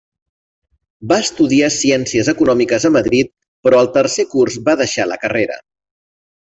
Va estudiar Ciències Econòmiques a Madrid, però al tercer curs va deixar la carrera.